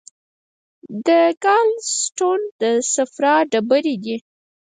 د ګال سټون د صفرا ډبرې دي.